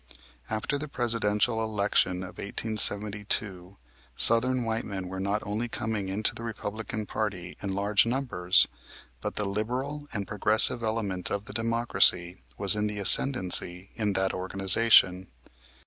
After the Presidential election of 1872 Southern white men were not only coming into the Republican party in large numbers, but the liberal and progressive element of the Democracy was in the ascendency in that organization.